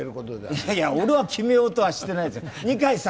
いやいや、俺は決めようとはしてないですよ。